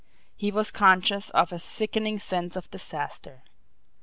He was conscious of a sickening sense of disaster.